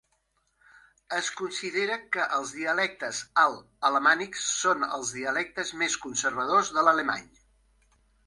Es considera que els dialectes alt alamànics són els dialectes més conservadors de l'alemany.